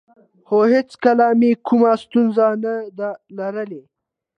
خو هېڅکله مې کومه ستونزه نه ده لرلې